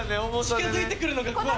近づいてくるのが怖い。